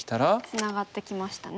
ツナがってきましたね。